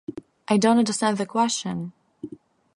I don't understand the question.